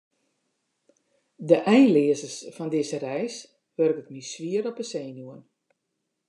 De einleazens fan dizze reis wurket my swier op 'e senuwen.